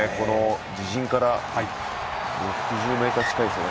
自陣から、６０ｍ近いですよね。